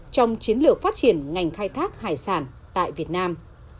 trong chiến lược phát triển ngành khai thác hải sản tại việt nam